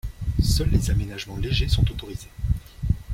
Seuls les aménagements légers sont autorisés.